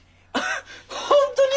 本当に？